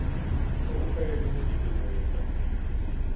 Слухає він і дивується.